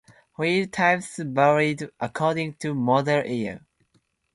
Wheel types varied according to model year.